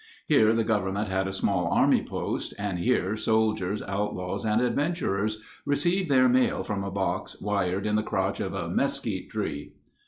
Here the government had a small army post and here soldiers, outlaws, and adventurers received their mail from a box wired in the crotch of a mesquite tree.